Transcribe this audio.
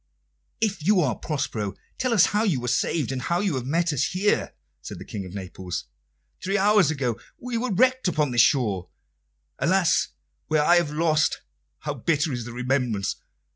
"If you are Prospero, tell us how you were saved, and how you have met us here," said the King of Naples. "Three hours ago we were wrecked upon this shore alas, where I have lost how bitter is the remembrance!